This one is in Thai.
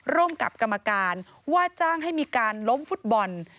ร่วมกับกรรมการว่าจ้างให้มีการล้มฟุตบอล